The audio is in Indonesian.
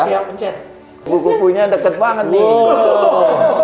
kubu kubunya deket banget nih